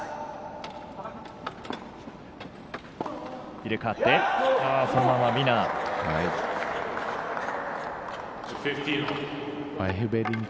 入れかわってそのままウィナー。